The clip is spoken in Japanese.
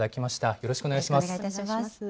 よろしくおお願いいたします。